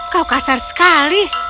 kau kasar sekali